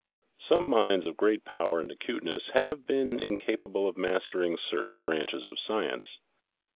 Some minds of great power and acuteness have been incapable of mastering certain branches of science.